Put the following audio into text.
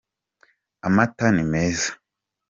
Amata ni meza.